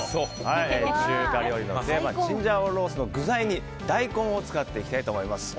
中華料理の定番チンジャオロースーの具材に大根を使っていきたいと思います。